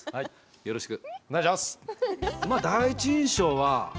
よろしく。